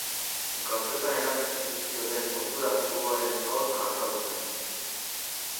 Gaztetan erakutsi zizkioten ohitura juduaren aurka azaldu zen.